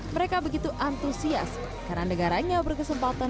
mereka begitu antusias karena negaranya berkesempatan